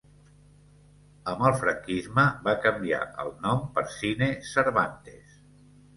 Amb el Franquisme va canviar el nom per Cine Cervantes.